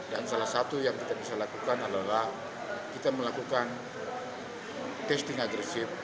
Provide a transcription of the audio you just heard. dan salah satu yang kita bisa lakukan adalah kita melakukan testing agresif